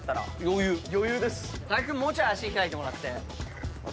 木君もうちょい足開いてもらって。